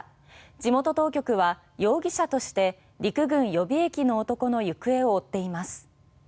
地元当局は容疑者として陸軍予備役の男の行方を追っています。